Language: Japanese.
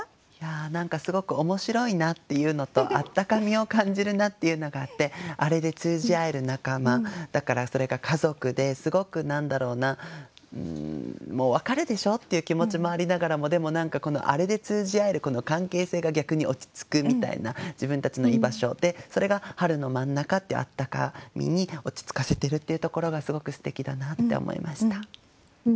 何かすごく面白いなっていうのとあったかみを感じるなっていうのがあって「あれ」で通じ合える仲間だからそれが家族ですごく何だろうなもう分かるでしょっていう気持ちもありながらもでも「あれ」で通じ合えるこの関係性が逆に落ち着くみたいな自分たちの居場所でそれが「春の真ん中」っていうあったかみに落ち着かせているっていうところがすごくすてきだなって思いました。